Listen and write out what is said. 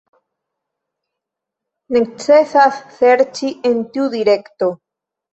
Necesas serĉi en tiu direkto.